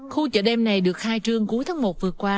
khu chợ đêm này được khai trương cuối tháng một vừa qua